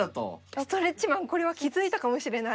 ストレッチマンこれは気付いたかもしれない。